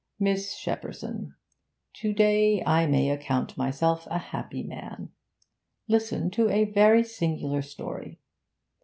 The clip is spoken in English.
'Miss Shepperson, to day I may account myself a happy man. Listen to a very singular story.